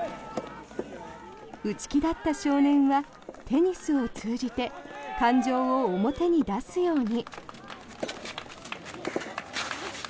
内気だった少年はテニスを通じて感情を表に出すように。